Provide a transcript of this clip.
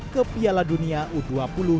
ke piala dunia u dua puluh